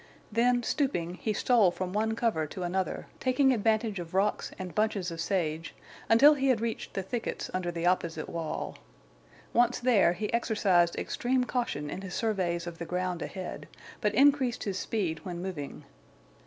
Then, stooping, he stole from one cover to another, taking advantage of rocks and bunches of sage, until he had reached the thickets under the opposite wall. Once there, he exercised extreme caution in his surveys of the ground ahead, but increased his speed when moving.